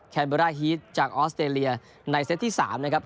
แนนเบอร่าฮีตจากออสเตรเลียในเซตที่๓นะครับ